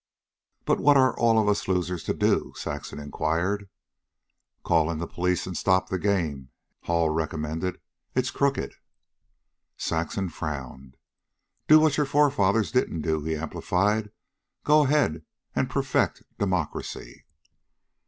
"But what are all of us losers to do?" Saxon inquired. "Call in the police and stop the game," Hall recommended. "It's crooked." Saxon frowned. "Do what your forefathers didn't do," he amplified. "Go ahead and perfect democracy."